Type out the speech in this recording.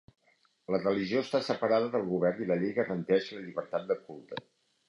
La religió està separada del Govern i la llei garanteix la llibertat de culte.